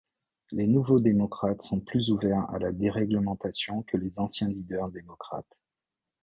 Les Nouveaux démocrates sont plus ouvert à la déréglementation que les anciens leaders démocrates.